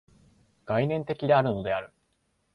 概念的であるのである。